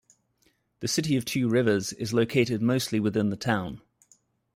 The City of Two Rivers is located mostly within the town.